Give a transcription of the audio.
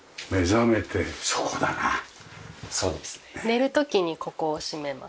寝る時にここを閉めます。